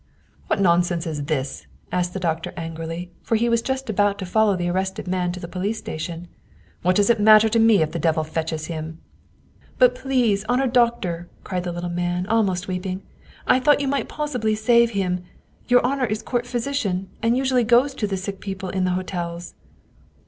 " What nonsense is this ?" asked the doctor angrily, for he was just about to follow the arrested man to the police station. " What does it matter to me if the devil fetches him?" " But please, honored doctor," cried the little man, almost weeping, " I thought you might possibly save him. Your honor is court physician, and usually goes to the sick people in the hotels."